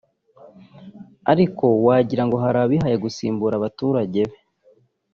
Aliko wagira ngo hari abihaye gusimbura abaturage b